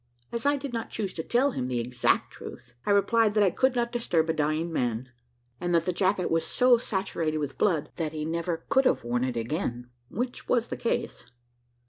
As I did not choose to tell him the exact truth, I replied that I could not disturb a dying man, and that the jacket was so saturated with blood, that he never could have worn it again, which was the case.